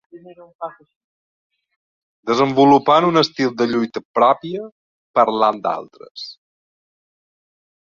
Desenvolupant un estil de lluita pròpia parlant d'altres.